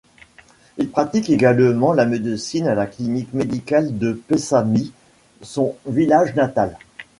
Il pratique également la médecine à la clinique médicale de Pessamit, son village natal.